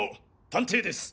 探偵です。